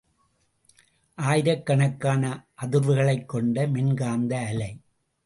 ஆயிரக்கணக்கான அதிர்வுகளைக் கொண்ட மின்காந்த அலை.